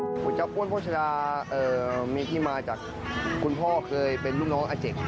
๋วยจับอ้วนโภชดามีที่มาจากคุณพ่อเคยเป็นลูกน้องอาเจก